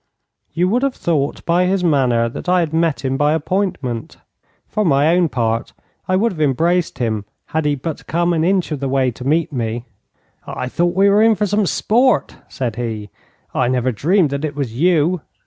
You would have thought by his manner that I had met him by appointment. For my own part, I would have embraced him had he but come an inch of the way to meet me. 'I thought we were in for some sport,' said he. 'I never dreamed that it was you.'